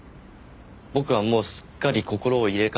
僕はもうすっかり心を入れ替えて。